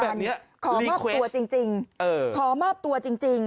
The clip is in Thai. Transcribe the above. ขอแบบนี้ลิเวสขอมาบตัวจริง